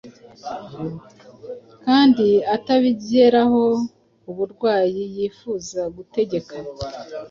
Kandi utabigeraho, uburwayi yifuza gutegeka